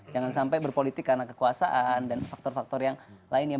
jangan sampai berpolitik karena kekuasaan dan faktor faktor yang lainnya